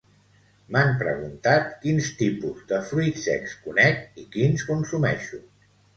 M'han preguntat quins tipus de fruits secs conec i quins consumeixo